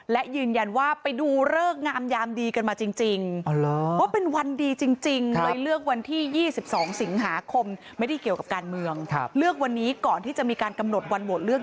และยืนยันว่าไปดูเริ่มงามยามดีกันมาจริงว่าเป็นวันดีจริง